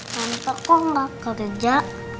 tante kok gak kerja